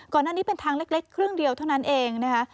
ก่อนหน้านี้เป็นทางเล็กครึ่งเดียวเท่านั้นเองนะคะ